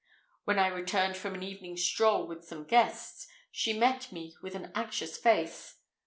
When I returned from an evening stroll with some guests, she met me with an anxious face.